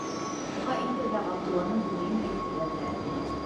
- Уға иң тәүҙә Ғабдулланың күңелен иретергә кәрәк ине.